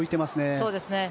そうですね。